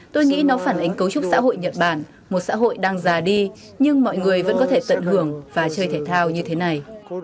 tôi nghĩ nó phản ánh cấu trúc xã hội nhật bản một xã hội đang già đi nhưng mọi người vẫn có thể tận hưởng và chơi thể thao như thế này